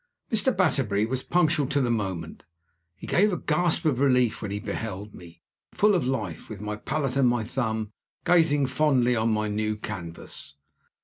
Mr. Batterbury was punctual to the moment. He gave a gasp of relief when he beheld me, full of life, with my palette on my thumb, gazing fondly on my new canvas.